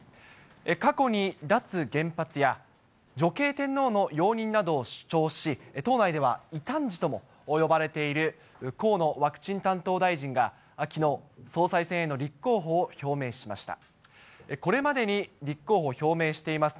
過去に脱原発や、女系天皇の容認などを主張し、党内では異端児とも呼ばれている河野ワクチン担当大臣がきのう、総裁選への立候補を表明しました。